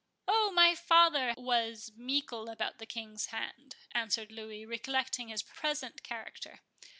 "Oh, my father was meikle about the King's hand," answered Louis, recollecting his present character.